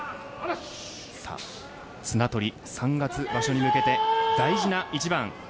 綱取り、３月場所に向けて大事な一番。